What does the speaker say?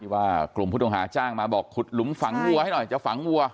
ว่ากลุ่มผู้ต้องหาจ้างมาบอกขุดหลุมฝังวัวให้หน่อยจะฝังวัว